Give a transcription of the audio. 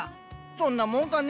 そんなもんかね。